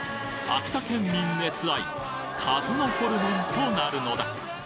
秋田県民熱愛鹿角ホルモンとなるのだ！